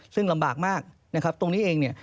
ซึ่งลำบากมากนะครับตรงนี้เองเนี่ย